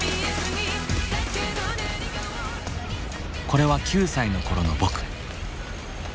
これは９歳の頃の僕。